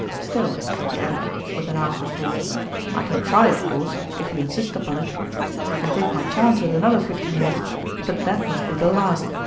Still," he added, with an afterthought, " I can try, of course, if you insist upon it. I can take my chance with another fifteen minutes, but that must be the last.